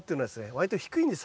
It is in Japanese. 割と低いんです